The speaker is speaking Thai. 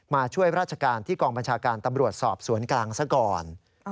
มาช่วยราชการที่กองบัญชาการตำรวจสอบสวนกลางซะก่อน